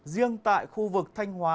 riêng tại khu vực thanh hóa